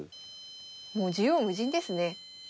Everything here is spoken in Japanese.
もう縦横無尽ですね。